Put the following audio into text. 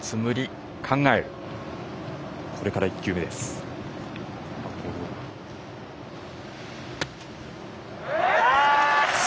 これから１球目です。